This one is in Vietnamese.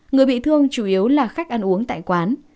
người bị thương chủ yếu là khách ăn uống tại quán